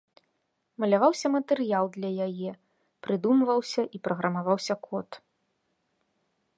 Маляваўся матэрыял для яе, прыдумваўся і праграмаваўся код.